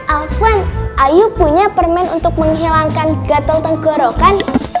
afon ayu punya permen untuk menghilangkan gatel tenggorokan